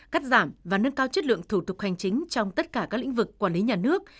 cắt giảm và nâng cao chất lượng thủ tục hành chính trong tất cả các lĩnh vực quản lý nhà nước